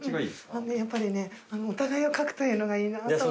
あのねやっぱりねお互いを描くというのがいいなと。